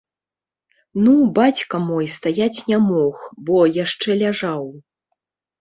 Ну, бацька мой стаяць не мог, бо яшчэ ляжаў.